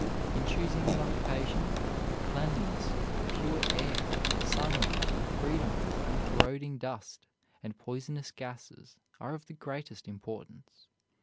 In choosing an occupation, cleanliness, pure air, sunlight, and freedom from corroding dust and poisonous gases are of the greatest importance.